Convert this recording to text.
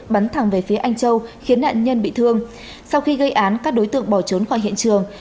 bắn thẳng về phía anh châu khiến nạn nhân bị thương sau khi gây án các đối tượng bỏ trốn khỏi hiện trường